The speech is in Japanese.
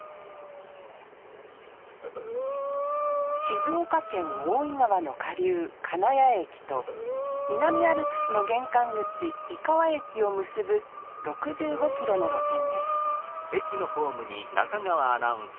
静岡県大井川の下流金谷駅と南アルプスの玄関口井川駅を結ぶ６５キロの路線です